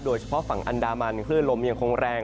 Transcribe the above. โดยเฉพาะฝั่งอันดามันคลื่นลมยังคงแรง